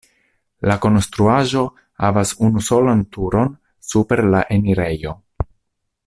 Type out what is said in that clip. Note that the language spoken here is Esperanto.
La konstruaĵo havas unusolan turon super la enirejo.